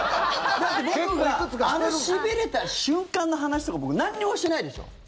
だって僕が、あのしびれた瞬間の話とか僕、なんにもしてないでしょ？